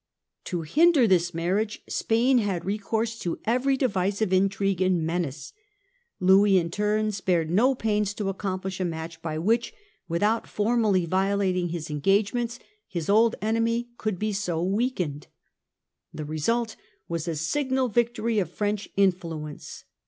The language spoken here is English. To hinder this marriage Spain had recourse to every device of intrigue and menace. Louis in turn spared no pains to accomplish a match by which, without formally violating his engagements, his bid enemy could be so weakened. The result was a signal victory of French influence.